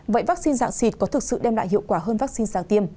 vậy vaccine dạng xịt có thực sự đem lại hiệu quả hơn vaccine dạng tiêm